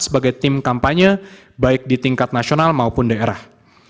sebagai tim kampanye baik di tingkat nasional maupun daerah